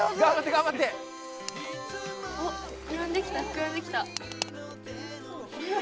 おっ膨らんできた膨らんできた。